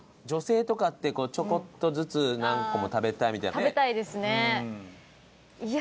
女性とかってちょこっとずつ何個も食べたいみたいなね。